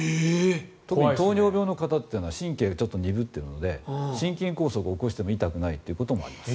特に糖尿病の方は神経がちょっと鈍ってるので心筋梗塞を起こしても痛くないということもあります。